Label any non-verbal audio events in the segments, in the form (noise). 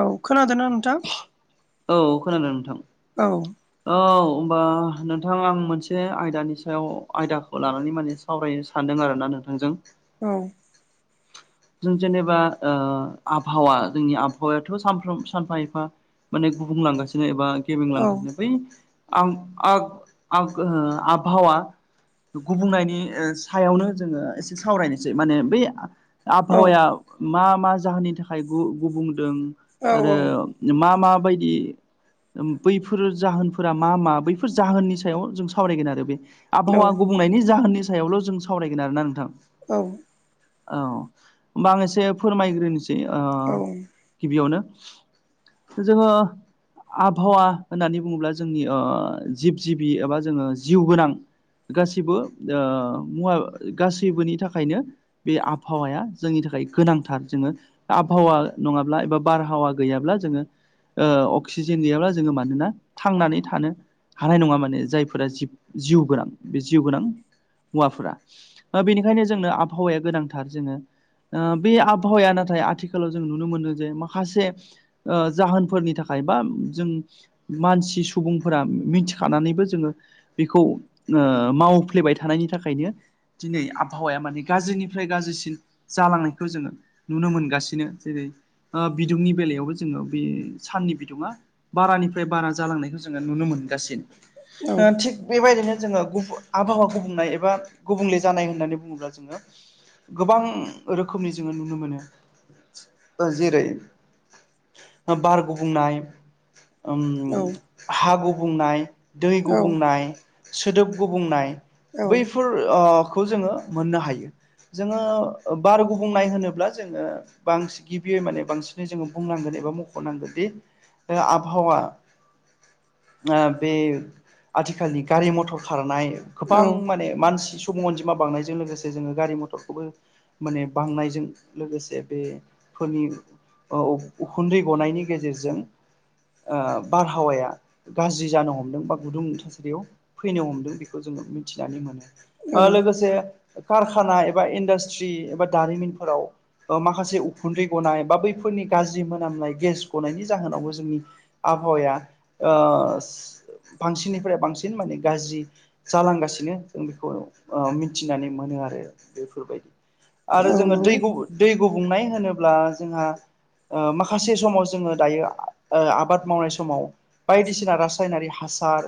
औ खोनादोंना नों औ खोनादों नोंथां औ होनोमबा नोंथां आं मोनसे आयदानि सायाव आयदाखौ लानानै माने सावरायनो सानदों आर ना नोंथांजों औ जों जेनेबा ओ आबहावा जोंनि आबहावायाथ' सानफ्रोम सानफा एफा, माने गुबुंलांगासिनो एबा औ गेब्रेंलांगासिनो बै, आं आग आग आबहावा, गुबुंनायनि सायावनो जोङो एसे सावरायनोसै माने बै औ आबहावाया मा मा जाहोननि थाखाय गुबुंदों औ आरो मा मा बायदि ओम बैफोर जाहोनफोरा मा मा बैफोर जाहोननि सायाव जों सावरायगोन आरो बे, औ आबहावा गुबुंनायनि जाहोननि सायावल' जों सावरायगोन आरोना नोंथां, औ औ होमबा आं एसे फोरमायग्रोनोसै ओ, गिबियावनो जोङो, आबहावा होननानै बुङोब्ला जोंनि जिब जिबि एबा जोङो जिउ गोनां, गासैबो ओ मुवा गासैबोनि थाखायनो बे आबहावाया, जोंनि थाखाय गोनांथार जोङो आबहावा नङाब्ला एबा बारहावा गैयाब्ला जोङो। ओ अक्सिजेन गैयाब्ला जोङो मानोना थांनानै थानो, हानाय नङा माने जायफोरा जि जिउ गोनां बे जिउ गोनां, हौवाफोरा बेनिखायनो जोंनो आबहावाया गोनांथार जोङो। ओ बे आबहावाया नाथाय आथिखालाव जों नुनो मोनो जे माखासे, ओ जाहोनफोरनि थाखाय बा जों मानसि सुबुंफोरा मिथिखानानैबो जोङो। बेखौ ओ मावफ्लेबाय थानायनि थाखायनो, दिनै आबहावाया माने गाज्रिनिफ्राय गाज्रिसिन, जालांनायखौ जोङो नुनो मोनगासिनो जेरै बिदुंनि बेलायावबो जोङो बे साननि बिदुङा, बारानिफ्राय बारा जालांनायखौ जोङो नुनो मोनगासिनो थिग बेबायदिनो जोङो गुफु आबहावा गुबुंनाय एबा गुबुंले जानाय होननानै बुङोब्ला जोङो। गोबां रोखोमनि जोङो नुनो मोनो ओ जेरै बार गुबुंनाय, ओम हा गुबुंनाय दै गुबुंनाय सोदोब गुबुंनाय बैफोरखौ अ जोङो मोननो हायो जोङो। ओ बार गुबुंनाय होनोब्ला जोङो। बांसिन गिबियै माने बांसिनै जोङो बुंनांगोन एबा मख'नांगोन दि आबहावा, ओ बे आथिखालनि गारि मथर खारनाय, गोबां माने मानसि सुबुं अनजिमा बांनायजों लोगोसे जोङो गारि मथरखौबो, माने बांनायजों लोगोसे बे फोरनि उखुन्दै गनायनि गेजेरजों ओ बारहावाया, गाज्रि जानो हमदों बा गुदुं थासारियाव फैनो हमदों बेखौ जोङो मिथिनानै मोनो, लोगोसे कारखाना एबा इन्डास्ट्रि एबा दारिमिनफोराव, माखासे उखुन्दै गनाय बा बैफोरनि गाज्रि मोनामनाय गेस गनायनि जाहोनावबो जोंनि, आबहावाया ओ बांसिननिफ्राय बांसिन माने गाज्रि, जालांगासिनो जों बेखौ ओ मिथिनानै मोनो आरो बेफोरबायदि, आरो जोङो दै गुबु दै गुबुंनाय होनोब्ला जोंहा, ओ माखासे समाव जोङो दायो ओ आबाद मावनाय समाव बायदिसिना रासायनारि हास हासार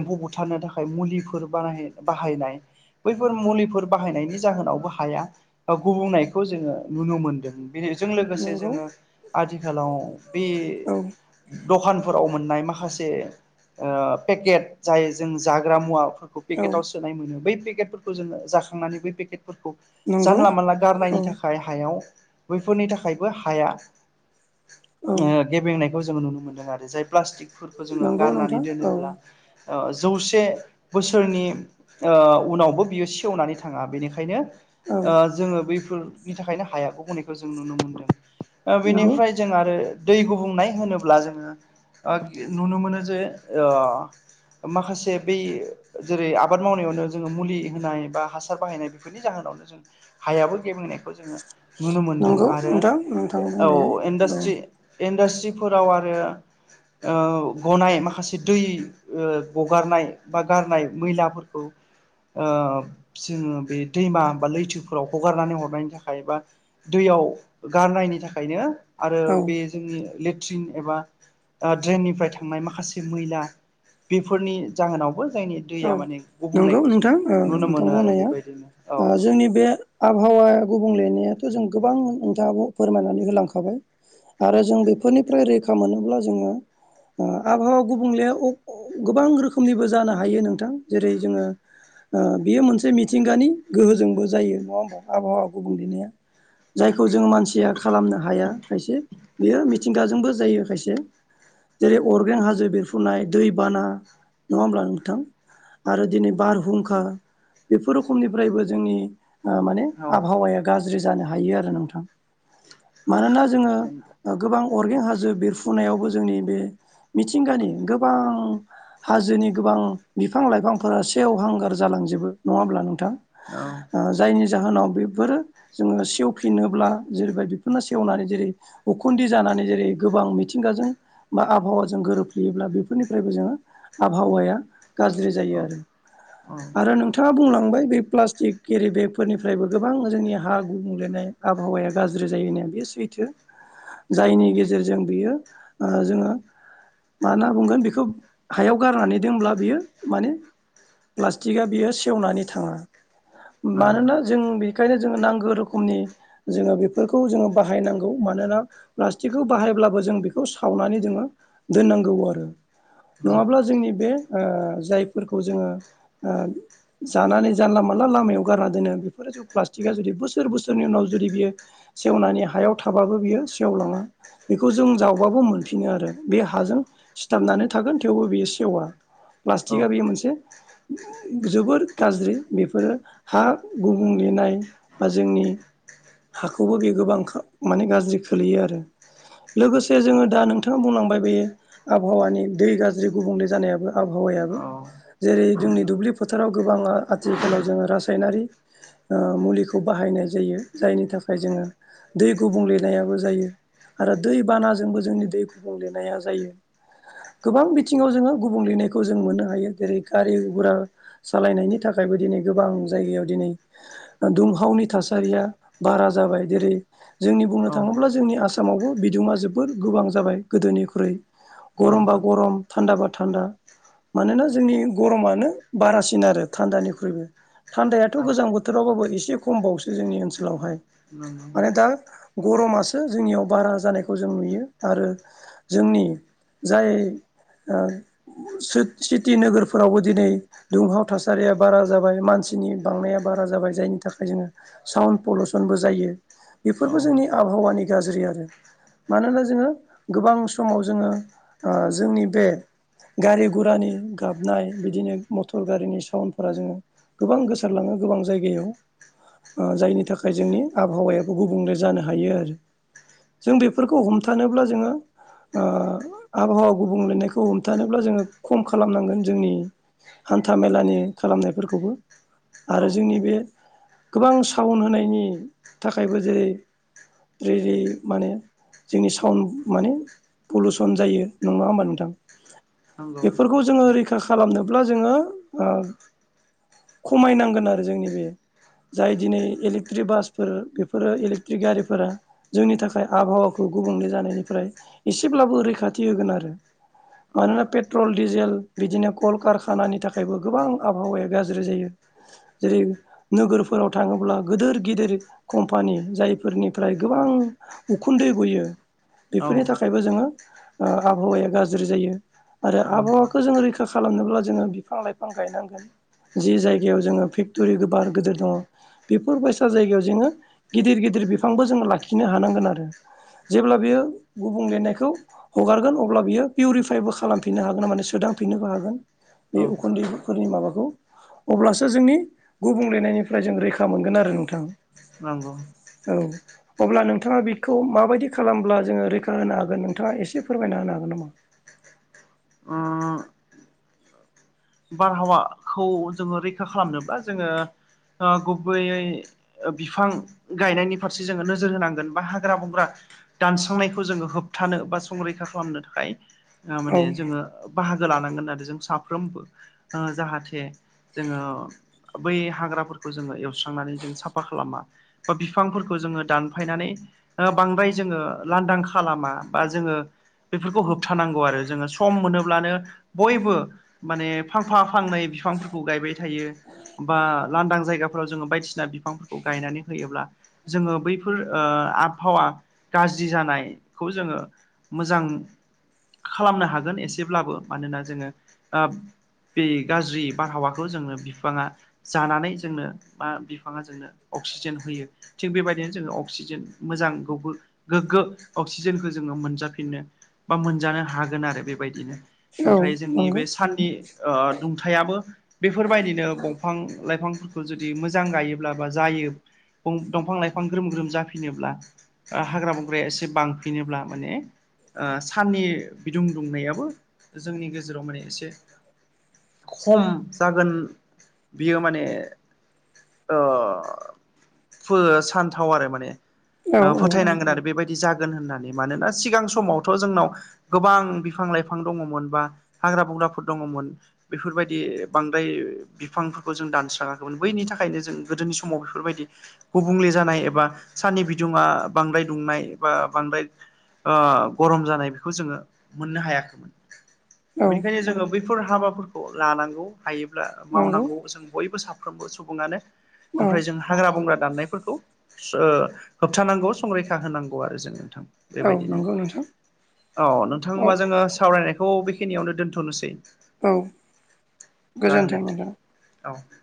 एम्फौ बुथारनो थाखाय मुलिफोर (unintelligible) बाहायनाय, बैफोर मुलिफोर बाहायनायनि जाहोनावबो हाया, गुबुंनायखौ जोङो नुनो मोनदों बेजों लोगोसे औ जोङो आथिखालाव, बे औ द'खानफोराव मोननाय माखासे, ओ पेकेट जाय जों जाग्रा मुवाफोरखौ, पेकेटाव औ सोनाय मोनो बै पेकेटफोरखौ जोङो जाखांनानै बै पेकेटफोरखौ, जानला मानला गारनायनि औ थाखाय हायाव बैफोरनि थाखायबो हाया। ओ गेबेंनायखौ जों नुनो मोनदों आरो जाय प्लास्टिक खौ जोङो नंगौ गारनानै नंगौ औ दोनोब्ला ओ जौसे बोसोरनि ओ उनावबो बियो सेवनानै थाङा बेनिखायनो औ ओ जोङो बैफोरनि थाखायनो हाया गुबुंनायखौ जों नुनो मोनदों ओ नंगौ औ बेनिफ्राय जों आरो दै गुबुंनाय होनोब्ला जोङो ओ नुनो मोनो जे ओ माखासे बे जेरै आबाद मावनायावनो जोङो मुलि होनाय बा हासार बाहायनाय बेनि जाहोनावनो जों हायाबो गेबेंनायखौ जोङो नुनो औ नंगौ नोंथां औ नंगौ मोनदों आरो नोंथां नोंथां औ बुंनाया औ इन्डास्ट्रि इन्डास्ट्रिफोराव आरो औ गनाय माखासे दै ओ गगारनाय बा गारनाय मैलाफोरखौ ओ जोङो बे दैमा बा लैथोफोराव हगारनानै हरनायनि थाखाय बा दैयाव गारनायनि थाखायनो आरो औ बे जोंनि लेट्रिन एबा ओ ड्रेननिफ्राय थांनाय माखासे मैला बेफोरनि जाहोनावबो जायनि औ दैया माने नंगौ गुबुंनायखौ नोंथां जोङो ओ नुनो नोंथां मोनो आरो बुंनाया बेबायदिनो ओ औ जोंनि बे आबहावाया गुबुंलेनियाथ' जों गोबां नोंथाङा फोरमायनानै होलांखाबाय आरो जों बेफोरनिफ्राय रैखा मोनोब्ला जोङो ओ आबहावा गुबुंलेया गोबां रोखोमनिबो जानो हायो नोंथां जेरै जोङो ओ बेयो मोनसे मिथिंगानि गोहोजोंबो जायो नङा होमबा आबहावा गुबुंलेया जायखौ जों मानसिया खालामनो हाया खायसे। बेयो मिथिंगाजोंबो जायो खायसे। जेरै अरगें हाजो बिरफुनाय दै बाना नङा होमब्ला नों थां आरो दिनै बारहुंखा बेफोर रोखोमनिफ्रायबो जोंनि ओ माने औ आबहावाया गाज्रि जानो हायो आरो नोंथां मानोना जोङो नंगौ ओ गोबां अरगें हाजो बेरफ्रुनायावबो जोंनि बे मिथिंगानि गोबां हाजोनि गोबां बिफां लाइफांफोरा सेवहांगार जालांजोबो नङा होमब्ला नोंथां? औ ओ जायनि जाहोनाव बेफोरो जोङो सेवफिनोब्ला जेरैबादि फेसेवनानै जेरै उखुन्दै जानानै जेरै गोबां मिथिंगाजों बा आबहावाजों गोरोबफ्लेयोब्ला बेफोरनिफ्रायबो जोङो आबहावाया गाज्रि जायो आरो, आरो नों थाङा बुंलांबाय बे प्लास्टिक केरि बेगफोरनिफ्रायबो गोबां जोंनि हा गुबुंलेनाय आबहावाया गाज्रि जायोनो बे सैथो। जायनि गेजेरजों बियो ओ जोङो मा होनना बुंगोन बेखौ हायाव गारनानै दोनब्ला बियो माने प्लास्टिकआ बियो सेवनानै थाङा औ मानोना जों बे बेखायनो जोङो नांगौ रोखोमनि जोङो बेफोरखौ जोङो बाहायनांगौ मानोना प्लास्टिकखौ बाहायब्लाबो जों बेखौ सावनानै जोङो दोननांगौ आरो नङाब्ला जोंनि बे ओ जायफोरखौ जोङो ओ जानानै जानला मोनला लामायाव गारना दोनो बेफोर ज प्लास्टिकआ जुदि बोसोर बोसोरनि उनाव जुदि बियो सेवनानै हायाव थाबाबो बियो सेवलाङा बेखौ जों जावबाबो मोनफिनो आरो बे हाजों सिथाबनानै थागोन थेवबो बियो सेवा। औ औ प्लाष्टिगा बेयो मोनसे। जोबोद गाज्रि बेफोरो हा गुबुंले नाय बा जोंनि हाखौबो बे गोबां माने गाज्रि खोलैयो आरो लोगोसे जोङो दा नोंथाङा बुंलांबाय बेयो आबहावानि दै गाज्रि गुबुंले जानायाबो आब औ हावायाबो जेरै जोंनि दुब्लि फोथाराव गोबाङा आथिखालाव जोङो रासायनारि ओ मुलिखौ बाहायनाय जायो जायनि थाखाय जोङो दै गुबुंलेनायाबो जायो। आरो दै बानाजोंबो जोंनि दै गुबुंलेनाया जायो। गोबां बिथिङाव जोङो गुबुंलेनायखौ खौ जों मोननो हायो जेरै गारि गुरा सालायनायनि थाखायबो दिनै गोबां जायगायाव दिनै ओ दुंहावनि थासारिया बारा जाबाय जेरै जोंनि बुंनो औ थाङोब्ला जोंनि आसामावबो बिदुंआ जोबोर गोबां जाबाय गोदोनिख्रुइ नों गरम बा गरम थान्दा बा थान्दा। मानोना जोंनि गरमानो बारासिन आरो थान्दानिख्रुइबो। थान्दायाथ' औ गोजां बोथोरावबाबो एसे खम बावसो जोंनि ओनसोलावहाय माने नंगौ दा गरमासो जोंनियाव बारा जानायखौ जों नुयो आरो जोंनि जाय ओ सोत-सिति नोगोरफोरावबो दिनै दुंहाव थासारिया बारा जाबाय मानसिनि बांनाया बारा जाबाय जायनि थाखाय जोङो साउन्द पलुसनबो जायो औ नंगौ औ बेफोरबो जोंनि आबहावानि गाज्रि आरो। मानोना जोङो गोबां समाव जोङो ओ जोंनि बे गारि गुरानि गाबनाय बिदिनो मटर गारिनि साउन्दफोरा जोङो गोबां गोसारलाङो गोबां जायगायाव। ओ जायनि थाखाय जोंनि आबहावायाबो गुबुंले जानो हायो आरो। जों बेफोरखौ हमथानोब्ला जोङो ओ आबहावा गुबुंलेनायखौ हम हमथानोब्ला जोङो खम खालामनांगोन जोंनि हान्था मेलानि खालामनायफोरखौबो। आरो औ जोंनि बे गोबां सावन होनायनि थाखायबो जेरै रै रै माने जोंनि साउन्द माने पलुसन जायो नङा होमबा नोंथां। नंगौ बेफोरखौ जोङो रैखा खालामनोब्ला जोङो ओ खमायनांगोन आरो जोंनि बे जाय दिनै इलेक्ट्रिक बासफोर बेफोरो इलेक्ट्रिक गारिफोरा जोंनि थाखाय आबहावाखौ गुबुंले जानायनिफ्राय एसेब्लाबो रैखाथि होगोन आरो। मानोना पेट्रल डिजेल बिदिनो कल कारखानानि थाखायबो गोबां आबहावाया गाज्रि जायो। जेरै नोगोरफोराव थाङोब्ला गोदोर गिदिर कम्पानि जायफोरनिफ्राय गोबां उखुन्दै गयो। बेफोरनि थाखायबो जोङो ओ आबहावाया गाज्रि जायो आरो आबहावाखौ जोङो रैखा खालामनोब्ला जोङो बिफां लाइफां गायनांगोन। जि जायगायाव जोङो फेक्ट'रि गोबार गिदिर दङ बेफोरबायसा जायगायाव जोङो गिदिर गिदिर बिफांबो जोङो लाखिनो हानांगोन आरो। जेब्ला बियो गुबुंलेनायखौ हगारगोन अब्ला बियो पिउरिफाइबो खा खालामफिननो हागोन ना माने सोदांफिननोबो हागोन बे औ उखुन्दैफोरनि माबाखौ अब्लासो जोंनि गुबुंलेनायनिफ्राय जों रैखा मोनगोन आरो नोंथां। नांगौ औ। अब्ला नोंथाङा बेखौ माबायदि खालामब्ला जोङो रैखा होनो हागोन नोंथाङा एसे फोरमायना होनो हागोन नामा? ओ बारहावाखौ जोङो रैखा खालामनोबा जोङो ओ गुबैयै ओ बिफां गायनायनि फारसे जोङो नोजोर होनांगोन बा हाग्रा बंग्रा दानस्रांनायखौ जोङो होबथानो बा संरैखा खालामनो थाखाय ओ औ माने जोङो बाहागो लानांगोन आरो जों साफ्रोमबो ओ जाहाथे जोङो बै हाग्राफोरखौ जोङो एवस्रांनानै जों साफा खालामा। बा बिफांफोरखौ जोङो दानफायनानै ओ बांद्राय जोङो लांदां खालामा बा जोङो बेफोरखौ होबथानांगौ आरो जोङो सम मोनोब्लानो बयबो माने फांफा फांनै बिफांफोरखौ गायबाय थायो। बा लांदां जायगाफोराव जोङो बायदिसिना बिफांफोरखौ गायनानै होयोब्ला जोङो बैफोर ओ आबहावा गाज्रि जानायखौ जोङो मोजां खालामनो हागोन एसेब्लाबो मानोना जोङो ओ बे गाज्रि बारहावाखौ जोंनो बिफाङा जानानै जोंनो बा बिफाङा जोंनो अक्सिजेन होयो थिग बेबायदिनो जोङो अक्सिजेन मोजांखौबो गोग्गो अक्सिजेनखौ जोङो मोनजाफिननो बा मोनजानो हागोन आरो बेबायदिनो औ ओमफ्राय जोंनि नंगौ बे साननि ओ दुंथायाबो बेफोरबायदिनो दंफां लाइफांफोरखौ जुदि मोजां गायोब्ला बा जायो फुं दंफां लाइफां ग्रोम ग्रोम जाफिनोब्ला ओ हाग्रा बंग्राया एसे बांफिनोब्ला माने ओ साननि बिदुं दुंनायाबो जोंनि गेजेराव माने एसे खम जागोन बियो माने ओ फो सानथाव आरो माने औ ओ औ फोथायनांगोन आरो बेबायदि जागोन होननानै मानोना सिगां समावथ' जोंनाव गोबां बिफां लाइफां दङमोन बा हाग्रा बंग्राफोर दङमोन। बेफोरबायदि बांद्राय बिफांफोरखौ जों दानस्राङाखैमोन बैनि थाखायनो जों गोदोनि समाव बेफोरबायदि गुबुंले जानाय एबा साननि बिदुुङा बांद्राय दुंनाय एबा बांद्राय ओ गरम जानाय बेखौ जोङो मोननो हायाखैमोन। औ बेनिखायनो जोङो बैफोर हाबाफोरखौ लानांगौ हायोब्ला नंगौ मावनांगौ जों बयबो साफा फ्रोमबो सुबुङानो औ ओमफ्राय जोंहा हाग्रा बंग्रा दाननायफोरखौ स ओ होबथानांगौ संरैखा होनांगौ आरो जों नोंथां। औ बेबायदिनो नंगौ नोंथां अ नोंथां औ होमबा जोङो सावरायनायखौ बेखिनियावनो दोनथ'नोसै औ। जागोन दे नोंथां औ।